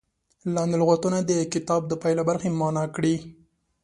لاندې لغتونه د کتاب د پای له برخې معنا کړي.